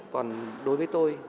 còn đối với tôi